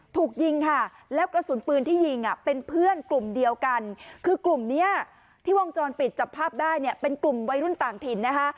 ถูกยิงค่ะแล้วกระสุนปืนที่ยิงอ่ะเป็นเพื่อนกลุ่มเดียวกันคือกลุ่มเนี้ยที่วงจรปิดจับภาพได้เนี่ยเป็นกลุ่มวัยรุ่นต่างถิ่นนะคะ